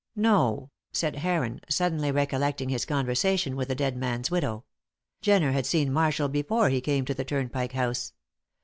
"No," said Heron, suddenly recollecting his conversation with the dead man's widow. "Jenner had seen Marshall before he came to the Turnpike House.